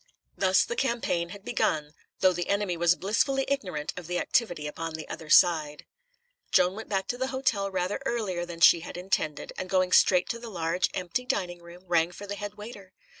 Thus the campaign had begun, though the enemy was blissfully ignorant of the activity upon the other side. Joan went back to the hotel rather earlier than she had intended, and going straight to the large, empty dining room, rang for the head waiter.